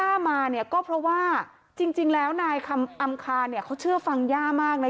มาเนี่ยก็เพราะว่าจริงแล้วนายคำอำคาเนี่ยเขาเชื่อฟังย่ามากนะ